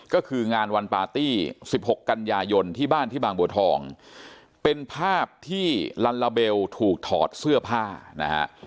ก็คืองานวันปาร์ตี้๑๖กันยายนที่บ้านที่บางบัวทองเป็นภาพที่ลัลลาเบลถูกถอดเสื้อผ้านะฮะ